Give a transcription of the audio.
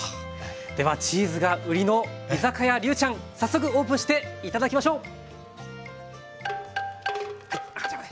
ではチーズが売りの居酒屋りゅうちゃん早速オープンして頂きましょう！